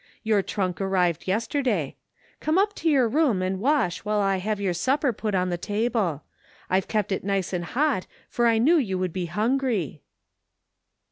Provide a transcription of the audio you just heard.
Your trunk arrived yester day. Come up to your room and wash while I have your supper put on the table. I've kept it nice and hot for I knew you would be himgry."